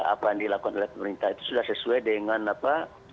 apa yang dilakukan oleh pemerintah itu sudah sesuai dengan apa